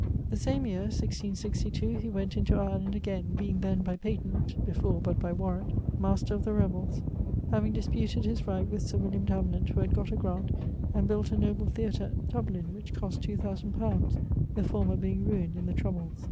The same yeare (1662) he went into Ireland again, being then, by patent (before, but by warrant) master of the revells, having disputed his right with Sir William Davenant, who had gott a graunt, and built a noble theatre at Dublin, which cost 2000 li., the former being ruined in the troubles.